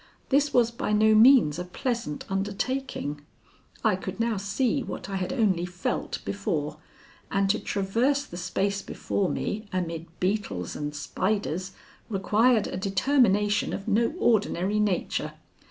This was by no means a pleasant undertaking. I could now see what I had only felt before, and to traverse the space before me amid beetles and spiders required a determination of no ordinary nature.